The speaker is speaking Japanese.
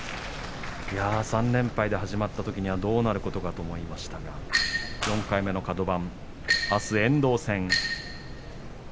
３連敗で始まったときにはどうなることかと思いましたが４回目のカド番、あすは遠藤戦。